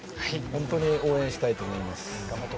本当に応援したいと思います。